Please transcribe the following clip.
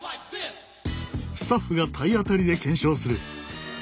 スタッフが体当たりで検証する。